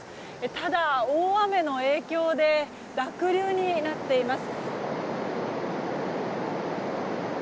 ただ、大雨の影響で濁流になっています。